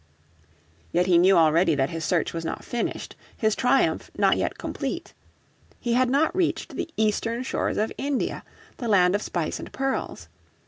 Yet he knew already that his search was not finished, his triumph not yet complete. He had not reached the eastern shores of India, the land of spice and pearls.